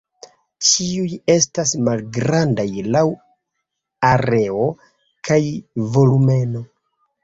Ĉiuj estas malgrandaj laŭ areo kaj volumeno.